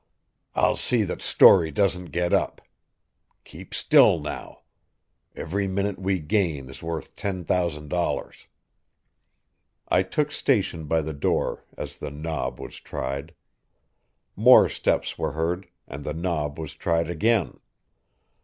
"I'll see that Storey doesn't get up. Keep still now. Every minute we gain is worth ten thousand dollars." I took station by the door as the knob was tried. More steps were heard, and the knob was tried again.